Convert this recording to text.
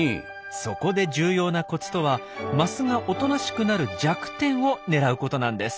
そこで重要なコツとはマスがおとなしくなる弱点を狙うことなんです。